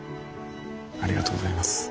ありがとうございます。